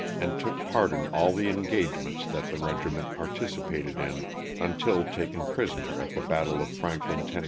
and took part in all the engagements that the regiment participated in until taken prisoner at the battle of Franklin, Term.